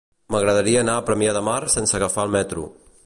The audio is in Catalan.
M'agradaria anar a Premià de Mar sense agafar el metro.